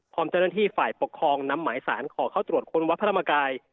พร้อมเจ้าหน้าที่ฝ่ายปกครองนำหมายสารขอเข้าตรวจค้นวัดพระธรรมกาย